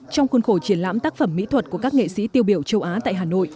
trong khuôn khổ triển lãm tác phẩm mỹ thuật của các nghệ sĩ tiêu biểu châu á tại hà nội